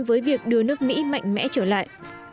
với việc đưa nước mỹ mạnh mẽ trở lại